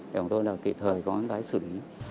để chúng tôi kịp thời có cái xử lý